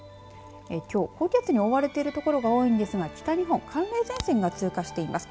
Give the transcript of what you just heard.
きょう、高気圧に覆われている所が多いんですが北日本寒冷前線が通過しています。